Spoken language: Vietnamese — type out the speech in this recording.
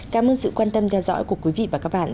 cảm ơn sự quan tâm theo dõi của quý vị và các bạn